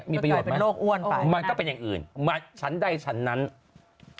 มีประโยชน์ไหมมันก็เป็นอย่างอื่นฉันใดฉันนั้นลกอ้วนไป